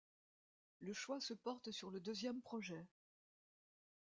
Le choix se porte sur le deuxième projet.